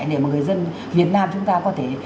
để mà người dân việt nam chúng ta có thể